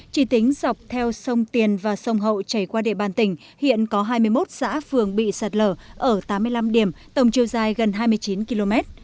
chỉ tính dọc theo sông tiền và sông hậu chảy qua địa bàn tỉnh hiện có hai mươi một xã phường bị sạt lở ở tám mươi năm điểm tổng chiều dài gần hai mươi chín km